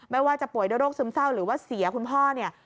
ไม่ว่าจะป่วยด้วยโรคซึมเศร้าหรือว่าเสียคุณพ่อเนี่ย